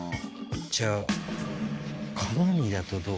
じゃあ鏡だとどう？